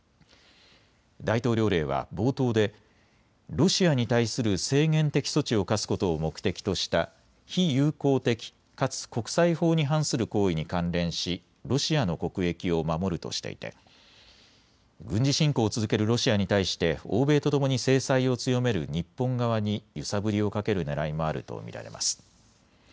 大統領令は冒頭でロシアに対する制限的措置を科すことを目的とした非友好的かつ国際法に反する行為に関連しロシアの国益を守るとしていて軍事侵攻を続けるロシアに対して欧米とともに制裁を強める日本側に揺さぶりをかけるねらいもあると見られます。